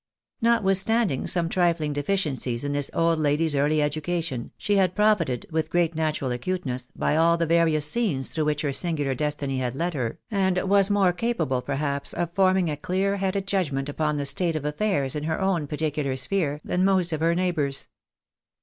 Notwithstanding some trifling deficiencies in this old lady's early education, she had pro fited, with great natural acuteness, by all the various scenes through which her singular destiny had led her, and was more capable, perhaps, of forming a clear headed judgment upon the state of affairs in her own particular sphere, than most of her neighbors.